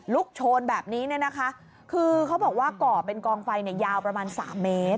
โชนแบบนี้เนี่ยนะคะคือเขาบอกว่าก่อเป็นกองไฟเนี่ยยาวประมาณ๓เมตร